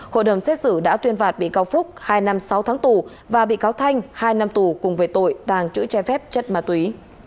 hội đồng xét xử đã tuyên phạt bị cáo phúc hai năm sáu tháng tù và bị cáo thanh hai năm tù cùng về tội tàng chữ trái phép chất ma túy